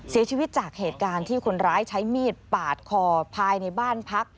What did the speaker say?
เสียชีวิตจากเหตุการณ์ที่คนร้ายใช้มีดปาดคอภายในบ้านพัก